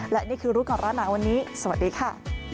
และนี่คือรู้ก่อนร้อนหนาวันนี้สวัสดีค่ะ